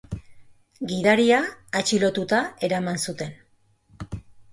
Gidaria atxilotuta eraman zuten.